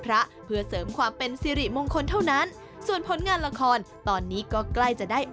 แล้วเป็นสิริมงคลกับเราเราก็ควรจะทำ